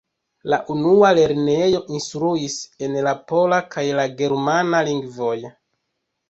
La unua lernejo instruis en la pola kaj la germana lingvoj.